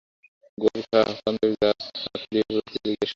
গোরখা, পাঞ্জাবী, জাঠ, আফ্রিদি প্রভৃতি পার্বত্যদের জিজ্ঞাসা কর।